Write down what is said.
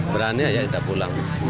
berani aja kita pulang